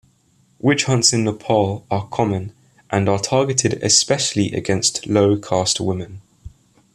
Witch hunts in Nepal are common, and are targeted especially against low-caste women.